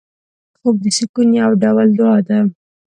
خوب د سکون یو ډول دعا ده